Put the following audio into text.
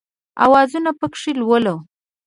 اوازونه پکښې لولم